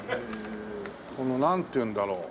このなんていうんだろう。